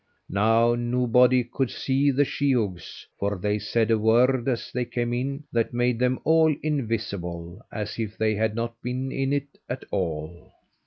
Now nobody could see the sheehogues, for they said a word as they came in, that made them all invisible, as if they had not been in it at all.